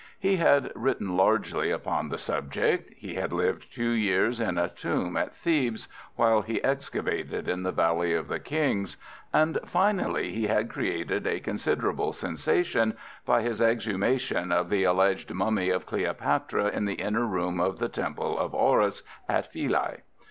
He had written largely upon the subject, he had lived two years in a tomb at Thebes, while he excavated in the Valley of the Kings, and finally he had created a considerable sensation by his exhumation of the alleged mummy of Cleopatra in the inner room of the Temple of Horus, at Philæ.